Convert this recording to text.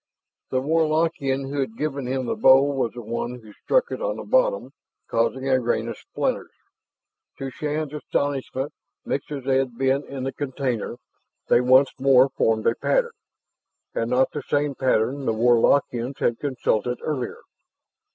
The Warlockian who had given him the bowl was the one who struck it on the bottom, causing a rain of splinters. To Shann's astonishment, mixed as they had been in the container, they once more formed a pattern, and not the same pattern the Warlockians had consulted earlier.